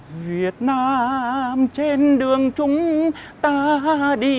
việt nam trên đường chúng ta đi